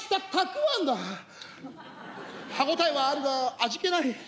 歯応えはあるが味気ない。